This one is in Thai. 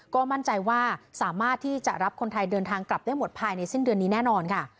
ก็มั่นใจว่าสามารถที่จะรับคนไทยเดินทางกลับได้หมดภายในสิ้นเดือนนี้แน่นอนค่ะ